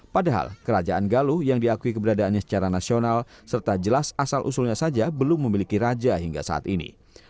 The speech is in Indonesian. padahal kerajaan galuh yang diakui keberadaannya secara nasional serta jelas asal usulnya saja belum memiliki raja hingga saat ini